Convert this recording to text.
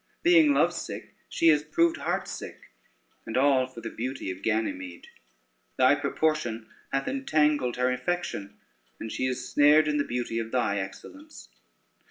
Being lovesick, she is proved heartsick, and all for the beauty of Ganymede. Thy proportion hath entangled her affection, and she is snared in the beauty of thy excellence.